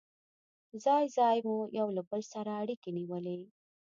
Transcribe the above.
ځای ځای مو یو له بل سره اړيکې نیولې.